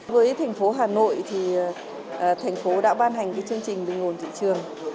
với thành phố hà nội thành phố đã ban hành chương trình bình nguồn thị trường